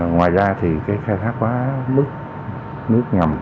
ngoài ra thì cái khai thác quá mức nước ngầm